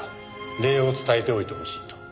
礼を伝えておいてほしいと。